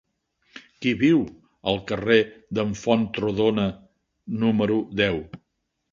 Qui viu al carrer d'en Fontrodona número deu?